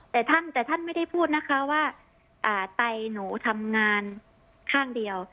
แต่ท่านแต่ท่านไม่ได้พูดนะคะว่าไตหนูทำงานข้างเดียว